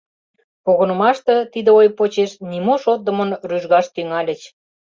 Погынымаште тиде ой почеш нимо шотдымын рӱжгаш тӱҥальыч.